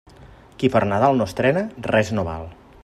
Qui per Nadal no estrena, res no val.